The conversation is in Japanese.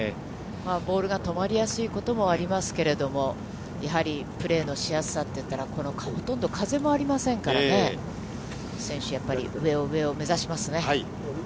ボールが止まりやすいこともありますけれども、やはりプレーのしやすさといったら、ほとんど風もありませんからね、選手、やっぱり、上を上を目指しますね。